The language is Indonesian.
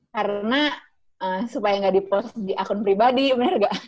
karena supaya gak di post di akun pribadi bener gak